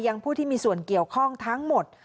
ผู้ที่มีส่วนเกี่ยวข้องทั้งหมด